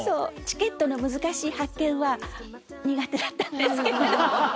チケットの難しい発券は苦手だったんですけれども。